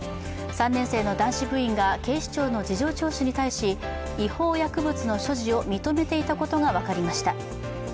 ３年生の男子部員が警視庁の事情聴取に対し違法薬物の所持を認めていたことが分かりました。